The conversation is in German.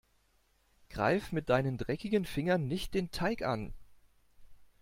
Greif mit deinen dreckigen Fingern nicht den Teig an.